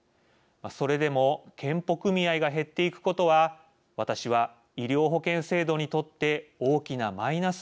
それでも健保組合が減っていくことは私は医療保険制度にとって大きなマイナスであると考えます。